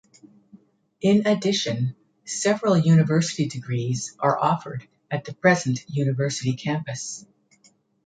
In addition, several university degrees are offered at the present university campus.